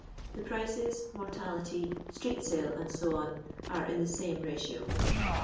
The prices, mortality, street sale, &c, are in the same ratio.